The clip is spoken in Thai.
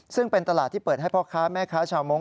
ซึ่งเป็นตลาดที่เปิดให้พ่อค้าแม่ค้าชาวมงค